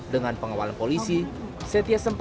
dengan pengawalan polisi setia sempat menyapas sang istri